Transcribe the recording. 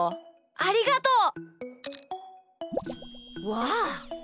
ありがとう！わあ！